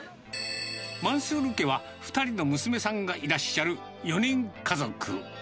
マンスール家は、２人の娘さんがいらっしゃる４人家族。